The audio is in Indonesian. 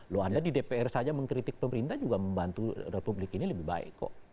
loh anda di dpr saja mengkritik pemerintah juga membantu republik ini lebih baik kok